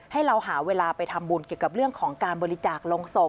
ให้เราหาเวลาไปทำบุญเกี่ยวกับเรื่องของการบริจาคลงศพ